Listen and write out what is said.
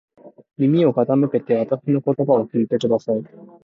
耳を傾けてわたしの言葉を聞いてください。